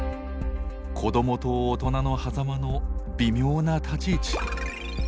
子どもと大人の狭間の微妙な立ち位置。